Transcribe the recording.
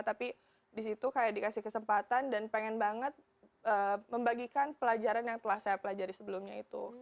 tapi disitu kayak dikasih kesempatan dan pengen banget membagikan pelajaran yang telah saya pelajari sebelumnya itu